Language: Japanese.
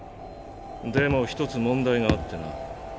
でも一つ問題があってな。